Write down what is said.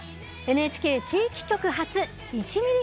「ＮＨＫ地域局発１ミリ